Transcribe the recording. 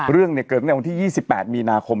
เรื่องเนี่ยเกิดขึ้นในวันที่๒๘มีนาคม